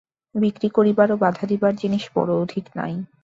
বিক্রি করিবার ও বাঁধা দিবার জিনিষ বড় অধিক নাই।